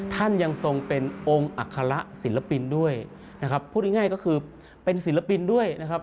ท่านยังทรงเป็นองค์อัคระศิลปินด้วยนะครับพูดง่ายก็คือเป็นศิลปินด้วยนะครับ